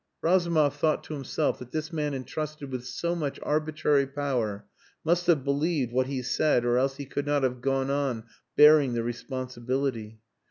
Razumov thought to himself that this man entrusted with so much arbitrary power must have believed what he said or else he could not have gone on bearing the responsibility.